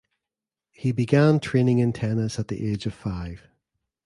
He began training in tennis at the age of five.